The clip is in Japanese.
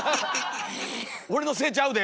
俺のせいちゃうで！